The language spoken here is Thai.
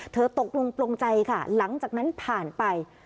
เธอตกลงใจหลังจากนั้นผ่านไป